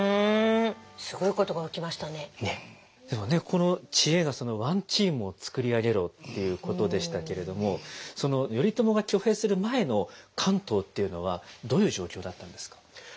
この知恵が「ワン・チームを作り上げろ」っていうことでしたけれども頼朝が挙兵する前の関東っていうのはどういう状況だったんですか？